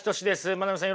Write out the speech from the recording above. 真鍋さん